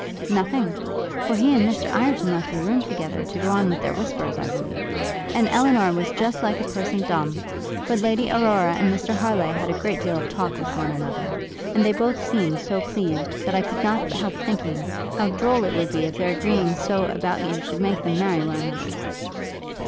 'Nothing; for he and Mr Ireton left the room together, to go on with their whispers, I believe. And Elinor was just like a person dumb. But Lady Aurora and Mr Harleigh had a great deal of talk with one another, and they both seemed so pleased, that I could not help thinking, how droll it would be if their agreeing so about you should make them marry one another.'